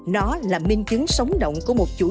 nó là minh chứng sống động của một đô thị mới